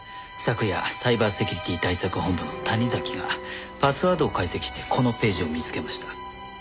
昨夜サイバーセキュリティ対策本部の谷崎がパスワードを解析してこのページを見つけました。